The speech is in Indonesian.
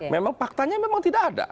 memang faktanya memang tidak ada